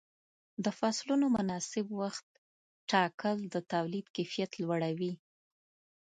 د فصلونو مناسب وخت ټاکل د تولید کیفیت لوړوي.